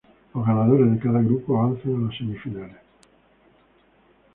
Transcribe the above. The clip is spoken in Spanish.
Los ganadores de cada grupo avanzan a las semifinales.